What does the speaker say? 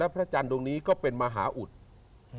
พระจันทร์ตรงนี้ก็เป็นมหาอุทธิ์